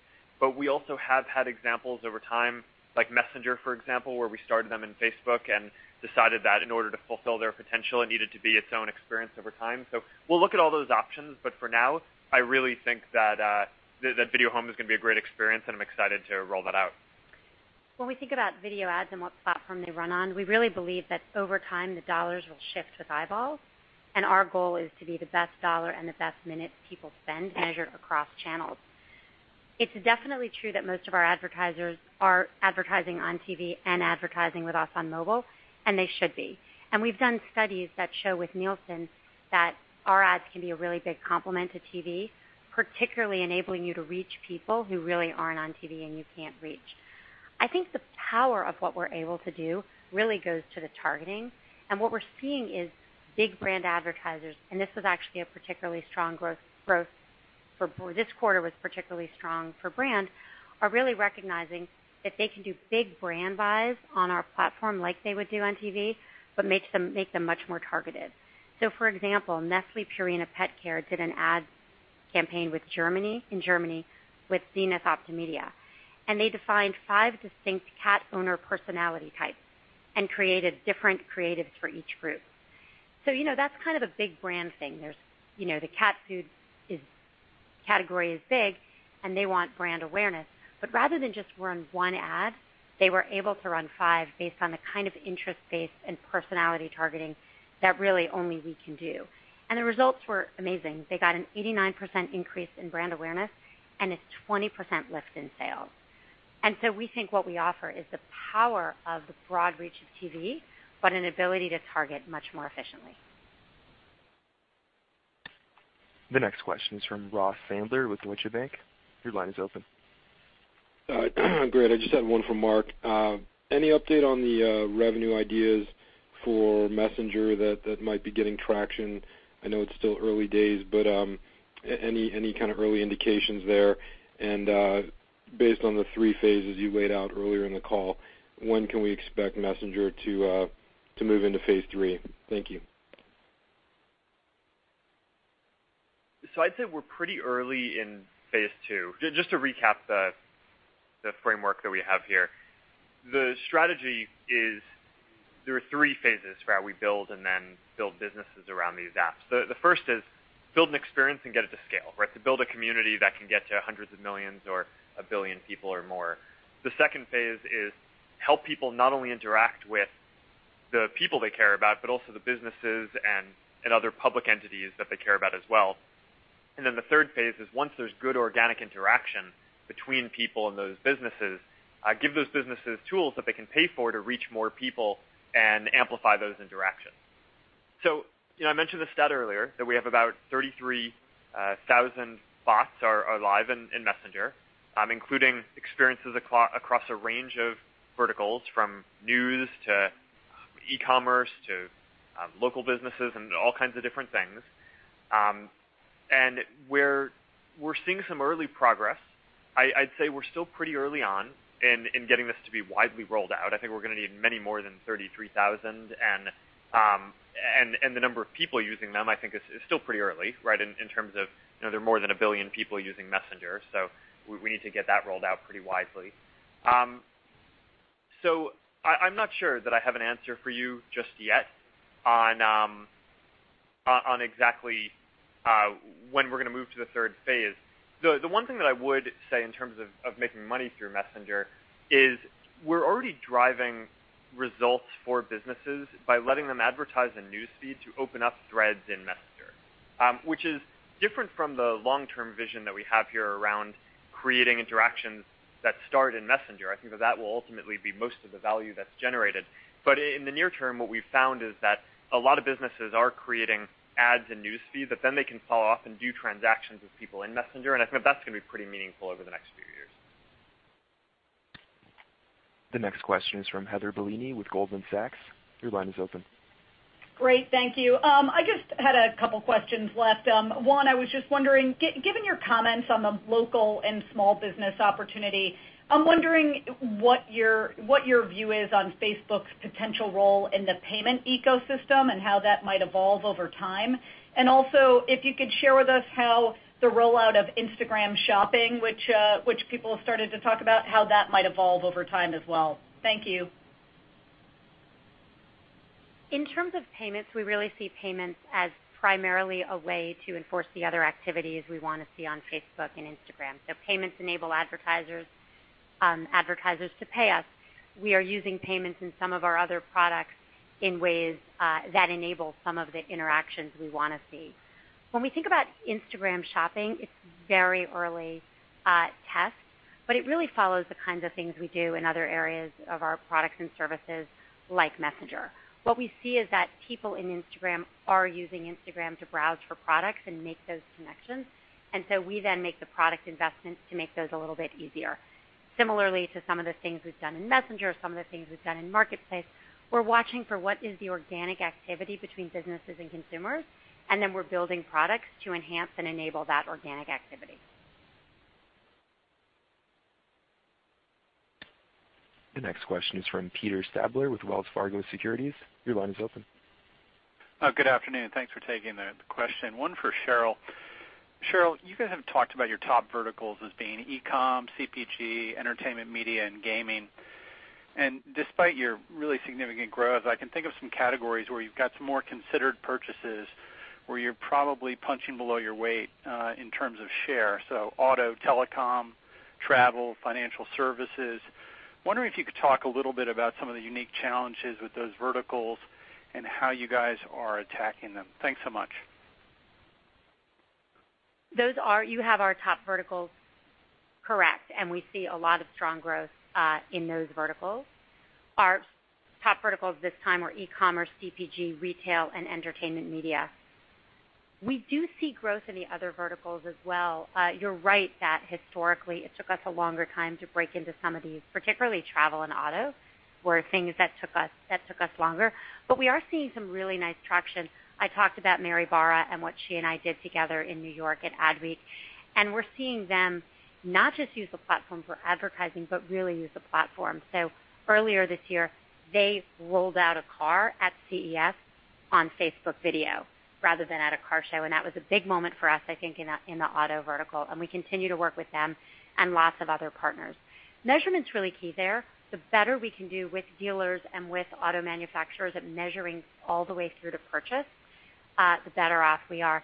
but we also have had examples over time, like Messenger, for example, where we started them in Facebook and decided that in order to fulfill their potential, it needed to be its own experience over time. We'll look at all those options, but for now, I really think that Video Home is gonna be a great experience, and I'm excited to roll that out. When we think about video ads and what platform they run on, we really believe that over time, the dollars will shift with eyeballs. Our goal is to be the best dollar and the best minute people spend measured across channels. It's definitely true that most of our advertisers are advertising on TV and advertising with us on mobile. They should be. We've done studies that show with Nielsen that our ads can be a really big complement to TV, particularly enabling you to reach people who really aren't on TV and you can't reach. I think the power of what we're able to do really goes to the targeting. What we're seeing is big brand advertisers, this was actually a particularly strong growth this quarter was particularly strong for brand, are really recognizing that they can do big brand buys on our platform like they would do on TV, but make them much more targeted. For example, Nestlé Purina PetCare did an ad campaign with Germany, in Germany with ZenithOptimedia, they defined 5 distinct cat owner personality types and created different creatives for each group. You know, that's kind of a big brand thing. There's, you know, the cat food category is big, they want brand awareness. Rather than just run 1 ad, they were able to run 5 based on the kind of interest-based and personality targeting that really only we can do. The results were amazing. They got an 89% increase in brand awareness and a 20% lift in sales. We think what we offer is the power of the broad reach of TV, but an ability to target much more efficiently. The next question is from Ross Sandler with Deutsche Bank. Your line is open. Great. I just have one for Mark. Any update on the revenue ideas for Messenger that might be getting traction? I know it's still early days, but any kind of early indications there? Based on the 3 phases you laid out earlier in the call, when can we expect Messenger to move into phase III? Thank you. I'd say we're pretty early in phase II. Just to recap the framework that we have here. The strategy is there are 3 phases for how we build and then build businesses around these apps. The first is build an experience and get it to scale, right? To build a community that can get to hundreds of millions or 1 billion people or more. The second phase is help people not only interact with the people they care about, but also the businesses and other public entities that they care about as well. Then the third phase is once there's good organic interaction between people and those businesses, give those businesses tools that they can pay for to reach more people and amplify those interactions. You know, I mentioned the stat earlier that we have about 33,000 bots are live in Messenger, including experiences across a range of verticals, from news to e-commerce to local businesses and all kinds of different things. We're seeing some early progress. I'd say we're still pretty early on in getting this to be widely rolled out. I think we're going to need many more than 33,000 and the number of people using them I think is still pretty early, right? In terms of, you know, there are more than 1 billion people using Messenger, we need to get that rolled out pretty widely. I'm not sure that I have an answer for you just yet on exactly when we're gonna move to the third phase. The one thing that I would say in terms of making money through Messenger is we're already driving results for businesses by letting them advertise in News Feed to open up threads in Messenger, which is different from the long-term vision that we have here around creating interactions that start in Messenger. I think that that will ultimately be most of the value that's generated. In the near term, what we've found is that a lot of businesses are creating ads in News Feed that then they can follow off and do transactions with people in Messenger, and I think that's gonna be pretty meaningful over the next few years. The next question is from Heather Bellini with Goldman Sachs. Your line is open. Great. Thank you. I just had a couple questions left. One, I was just wondering, given your comments on the local and small business opportunity, I'm wondering what your, what your view is on Facebook's potential role in the payment ecosystem and how that might evolve over time. Also, if you could share with us how the rollout of Instagram Shopping, which people have started to talk about, how that might evolve over time as well. Thank you. In terms of payments, we really see payments as primarily a way to enforce the other activities we wanna see on Facebook and Instagram. Payments enable advertisers to pay us. We are using payments in some of our other products in ways that enable some of the interactions we wanna see. When we think about Instagram Shopping, it's very early tests, but it really follows the kinds of things we do in other areas of our products and services like Messenger. What we see is that people in Instagram are using Instagram to browse for products and make those connections. We then make the product investments to make those a little bit easier. Similarly to some of the things we've done in Messenger, some of the things we've done in Marketplace, we're watching for what is the organic activity between businesses and consumers, and then we're building products to enhance and enable that organic activity. The next question is from Peter Stabler with Wells Fargo Securities. Your line is open. Good afternoon. Thanks for taking the question. One for Sheryl. Sheryl, you guys have talked about your top verticals as being e-com, CPG, entertainment media, and gaming. Despite your really significant growth, I can think of some categories where you've got some more considered purchases where you're probably punching below your weight in terms of share, auto, telecom, travel, financial services. Wondering if you could talk a little bit about some of the unique challenges with those verticals and how you guys are attacking them. Thanks so much. You have our top verticals correct, and we see a lot of strong growth in those verticals. Our top verticals this time were e-commerce, CPG, retail, and entertainment media. We do see growth in the other verticals as well. You're right that historically it took us a longer time to break into some of these, particularly travel and auto were things that took us longer. We are seeing some really nice traction. I talked about Mary Barra and what she and I did together in New York at Adweek, and we're seeing them not just use the platform for advertising, but really use the platform. Earlier this year, they rolled out a car at CES on Facebook Video rather than at a car show, and that was a big moment for us, I think, in the auto vertical, and we continue to work with them and lots of other partners. Measurement's really key there. The better we can do with dealers and with auto manufacturers at measuring all the way through to purchase, the better off we are.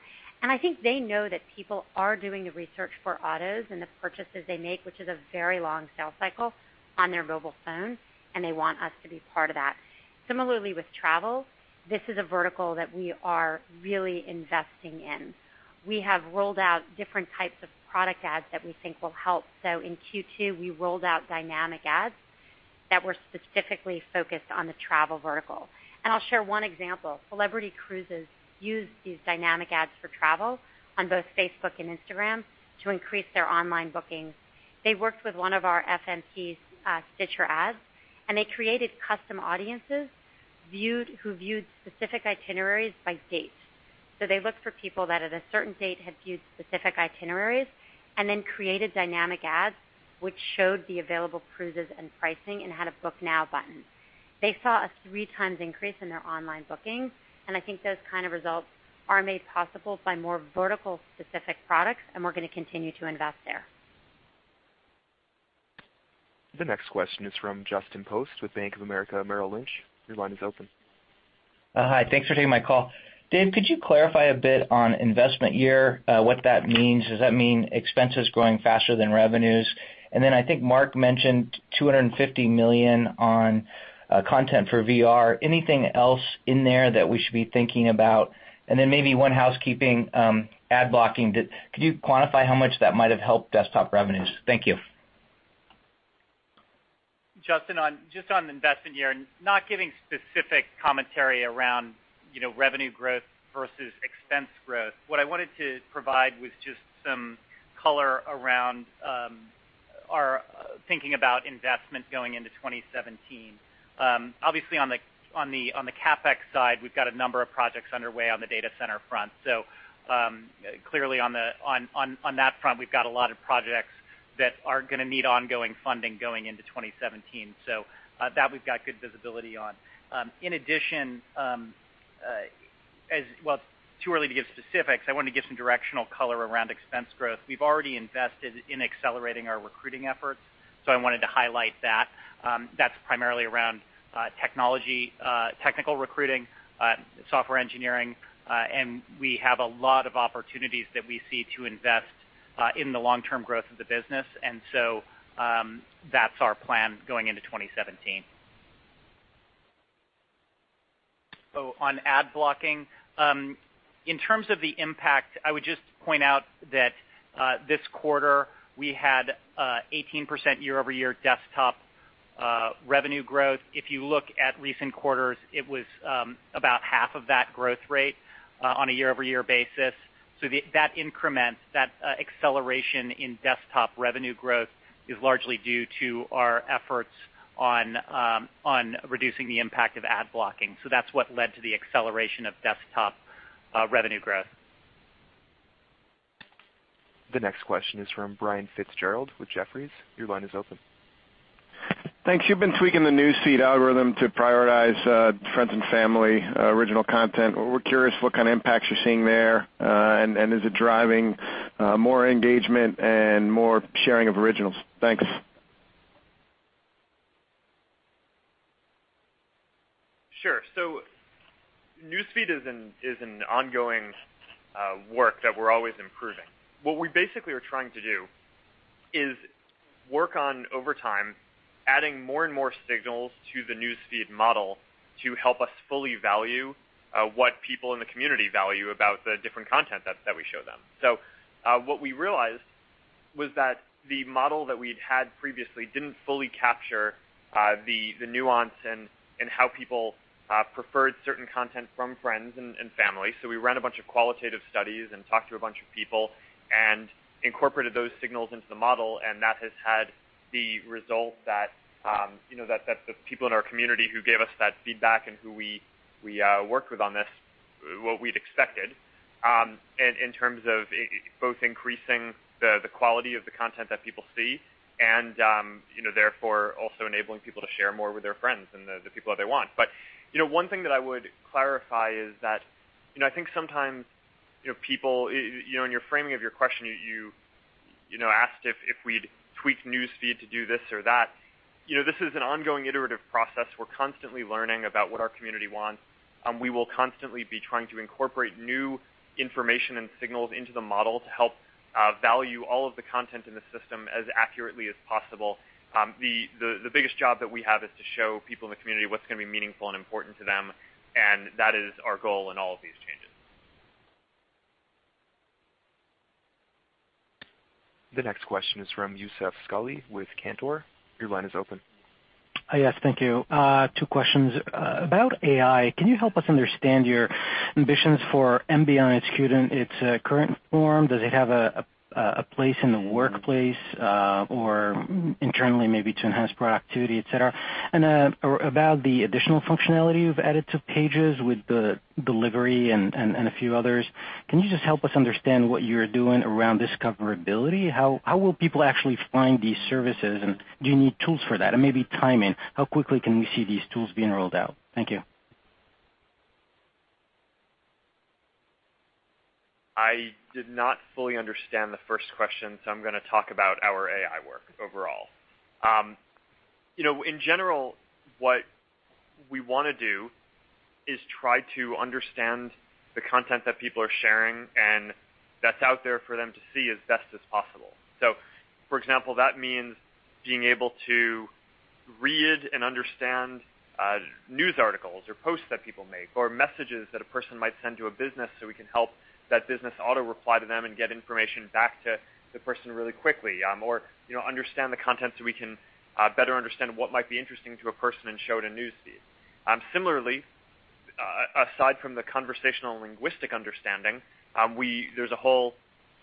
I think they know that people are doing the research for autos and the purchases they make, which is a very long sales cycle, on their mobile phone, and they want us to be part of that. Similarly with travel, this is a vertical that we are really investing in. We have rolled out different types of product ads that we think will help. In Q2, we rolled out dynamic ads that were specifically focused on the travel vertical. I'll share one example. Celebrity Cruises used these dynamic ads for travel on both Facebook and Instagram to increase their online bookings. They worked with one of our FMPs, StitcherAds, and they created custom audiences who viewed specific itineraries by date. They looked for people that, at a certain date, had viewed specific itineraries and then created dynamic ads which showed the available cruises and pricing and had a Book Now button. They saw a three times increase in their online bookings. I think those kind of results are made possible by more vertical-specific products, and we're going to continue to invest there. The next question is from Justin Post with Bank of America Merrill Lynch. Your line is open. Hi. Thanks for taking my call. Dave, could you clarify a bit on investment year, what that means? Does that mean expenses growing faster than revenues? I think Mark mentioned $250 million on content for VR. Anything else in there that we should be thinking about? Maybe one housekeeping, ad blocking. Can you quantify how much that might have helped desktop revenues? Thank you. Justin, just on investment year, not giving specific commentary around, you know, revenue growth versus expense growth. What I wanted to provide was just some color around our thinking about investment going into 2017. Obviously on the CapEx side, we've got a number of projects underway on the data center front. Clearly on that front, we've got a lot of projects that are gonna need ongoing funding going into 2017. That we've got good visibility on. In addition, Well, it's too early to give specifics. I want to give some directional color around expense growth. We've already invested in accelerating our recruiting efforts, so I wanted to highlight that. That's primarily around technology, technical recruiting, software engineering, and we have a lot of opportunities that we see to invest in the long-term growth of the business. That's our plan going into 2017. On ad blocking, in terms of the impact, I would just point out that this quarter we had 18% year-over-year desktop revenue growth. If you look at recent quarters, it was about half of that growth rate on a year-over-year basis. That increment, that acceleration in desktop revenue growth is largely due to our efforts on reducing the impact of ad blocking. That's what led to the acceleration of desktop revenue growth. The next question is from Brian FitzGerald with Jefferies. Your line is open. Thanks. You've been tweaking the News Feed algorithm to prioritize friends and family, original content. We're curious what kind of impacts you're seeing there, and is it driving more engagement and more sharing of originals? Thanks. Sure. News Feed is an ongoing work that we're always improving. What we basically are trying to do is work on, over time, adding more and more signals to the News Feed model to help us fully value what people in the community value about the different content that we show them. What we realized was that the model that we'd had previously didn't fully capture the nuance and how people preferred certain content from friends and family. We ran a bunch of qualitative studies and talked to a bunch of people and incorporated those signals into the model, and that has had the result that, you know, that the people in our community who gave us that feedback and who we worked with on this, what we'd expected, in terms of both increasing the quality of the content that people see and, you know, therefore, also enabling people to share more with their friends and the people that they want. You know, one thing that I would clarify is that, you know, I think sometimes, people, you know, in your framing of your question, you know, asked if we'd tweak News Feed to do this or that. You know, this is an ongoing iterative process. We're constantly learning about what our community wants. We will constantly be trying to incorporate new information and signals into the model to help value all of the content in the system as accurately as possible. The biggest job that we have is to show people in the community what's gonna be meaningful and important to them, and that is our goal in all of these changes. The next question is from Youssef Squali with Cantor. Your line is open. Yes, thank you. 2 questions. About AI, can you help us understand your ambitions for Messenger executing its current form? Does it have a place in Workplace, or internally maybe to enhance productivity, et cetera? About the additional functionality you've added to Pages with the delivery and a few others, can you just help us understand what you're doing around discoverability? How will people actually find these services, and do you need tools for that? Maybe timing, how quickly can we see these tools being rolled out? Thank you. I did not fully understand the first question, so I'm gonna talk about our AI work overall. You know, in general, what we wanna do is try to understand the content that people are sharing and that's out there for them to see as best as possible. For example, that means being able to read and understand news articles or posts that people make or messages that a person might send to a business so we can help that business auto-reply to them and get information back to the person really quickly, or, you know, understand the content so we can better understand what might be interesting to a person and show it in News Feed. Similarly, aside from the conversational linguistic understanding, there's a whole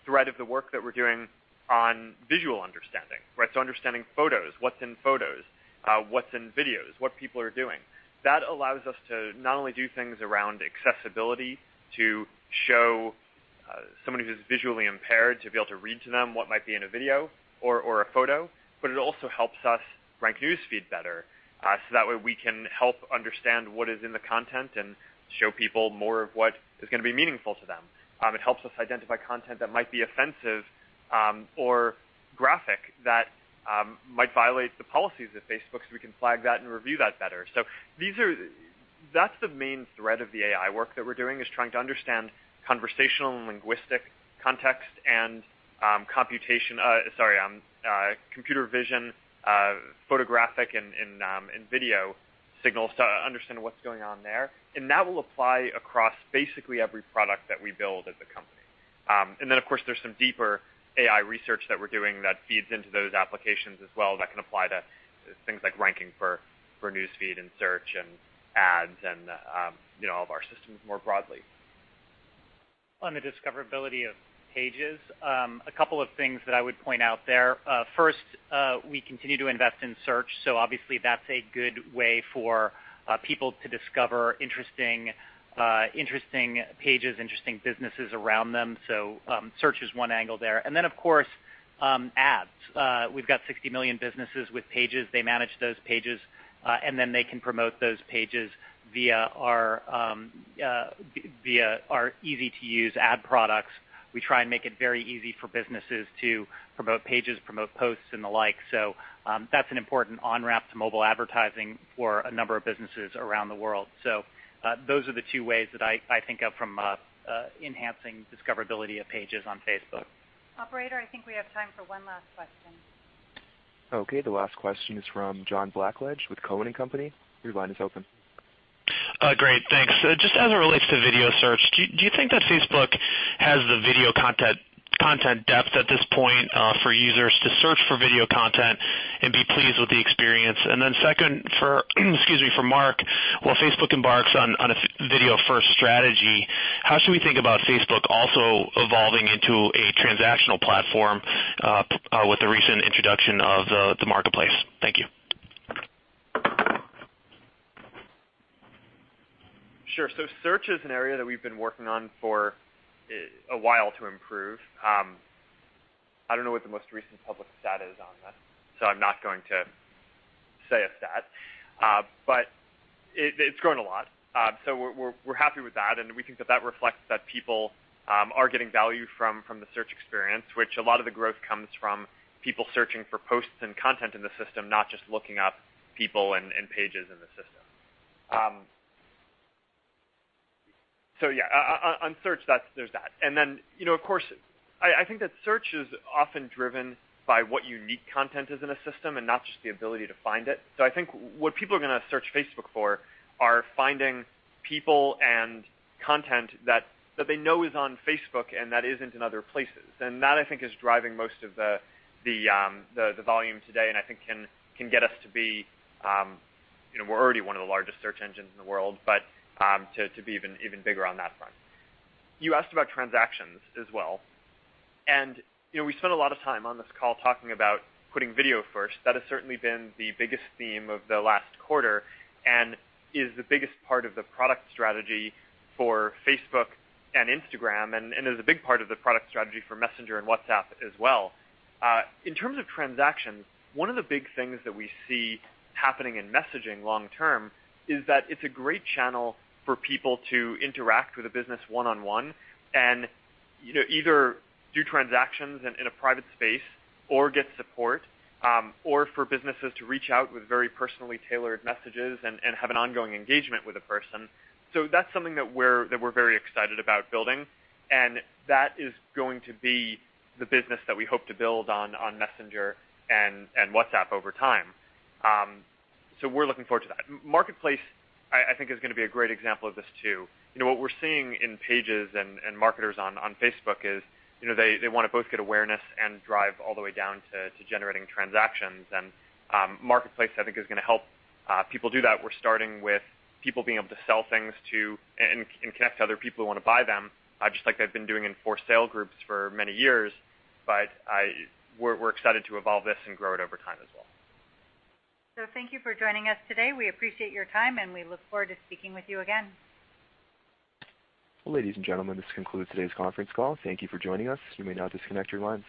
thread of the work that we're doing on visual understanding, right? Understanding photos, what's in photos, what's in videos, what people are doing. Allows us to not only do things around accessibility to show somebody who's visually impaired to be able to read to them what might be in a video or a photo, but it also helps us rank News Feed better. That way we can help understand what is in the content and show people more of what is going to be meaningful to them. It helps us identify content that might be offensive or graphic that might violate the policies at Facebook. We can flag that and review that better. That's the main thread of the AI work that we're doing, is trying to understand conversational and linguistic context and computer vision, photographic and video signals to understand what's going on there. That will apply across basically every product that we build as a company. Of course, there's some deeper AI research that we're doing that feeds into those applications as well that can apply to things like ranking for News Feed and search and ads and, you know, all of our systems more broadly. On the discoverability of pages, a couple of things that I would point out there. First, we continue to invest in search, obviously that's a good way for people to discover interesting pages, interesting businesses around them. Search is one angle there. Of course, ads. We've got 60 million businesses with pages. They manage those pages, they can promote those pages via our easy-to-use ad products. We try and make it very easy for businesses to promote pages, promote posts and the like. That's an important on-ramp to mobile advertising for a number of businesses around the world. Those are the two ways that I think of from enhancing discoverability of pages on Facebook. Operator, I think we have time for one last question. Okay. The last question is from John Blackledge with Cowen & Company. Your line is open. Great, thanks. Just as it relates to video search, do you think that Facebook has the video content depth at this point for users to search for video content and be pleased with the experience? Second, for, excuse me, for Mark, while Facebook embarks on a video first strategy, how should we think about Facebook also evolving into a transactional platform with the recent introduction of the Marketplace? Thank you. Sure. Search is an area that we've been working on for a while to improve. I don't know what the most recent public stat is on this, so I'm not going to say a stat. It's grown a lot. We're happy with that, and we think that that reflects that people are getting value from the search experience, which a lot of the growth comes from people searching for posts and content in the system, not just looking up people and pages in the system. Yeah. On search, there's that. You know, of course, I think that search is often driven by what unique content is in a system and not just the ability to find it. I think what people are gonna search Facebook for are finding people and content that they know is on Facebook and that isn't in other places. That, I think, is driving most of the volume today, and I think can get us to be. You know, we're already one of the largest search engines in the world, but to be even bigger on that front. You asked about transactions as well. You know, we spent a lot of time on this call talking about putting video first. That has certainly been the biggest theme of the last quarter and is the biggest part of the product strategy for Facebook and Instagram, and is a big part of the product strategy for Messenger and WhatsApp as well. In terms of transactions, one of the big things that we see happening in messaging long term is that it's a great channel for people to interact with a business one-on-one and, you know, either do transactions in a private space or get support, or for businesses to reach out with very personally tailored messages and have an ongoing engagement with a person. That's something that we're very excited about building, and that is going to be the business that we hope to build on Messenger and WhatsApp over time. We're looking forward to that. Marketplace, I think is going to be a great example of this too. You know, what we're seeing in pages and marketers on Facebook is, you know, they wanna both get awareness and drive all the way down to generating transactions. Marketplace, I think, is gonna help people do that. We're starting with people being able to sell things to and connect to other people who wanna buy them, just like they've been doing in for-sale groups for many years. We're excited to evolve this and grow it over time as well. Thank you for joining us today. We appreciate your time, and we look forward to speaking with you again. Ladies and gentlemen, this concludes today's conference call. Thank you for joining us. You may now disconnect your lines.